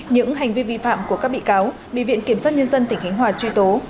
những hành vi vi phạm của các bị cáo bị viện kiểm soát nhân dân tỉnh khánh hòa truy tố